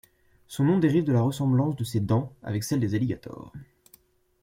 Son nom dérive de la ressemblance de ses dents avec celles des alligators.